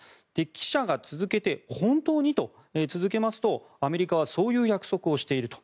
記者が続けて本当に？と続けますとアメリカはそういう約束をしていると。